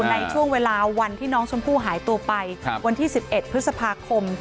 ในช่วงเวลาวันที่น้องชมพู่หายตัวไปวันที่๑๑พฤษภาคม